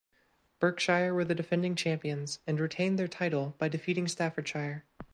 Berkshire were the defending champions and retained their title by defeating Staffordshire.